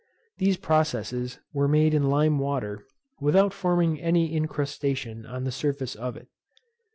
These processes were made in lime water, without forming any incrustation on the surface of it.